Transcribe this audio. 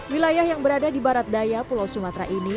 wilayah yang berada di barat daya pulau sumatera ini